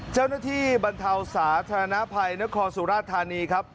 เจ้าหน้าที่บรรเทาสาธนพัยนครสุราธารณีครับ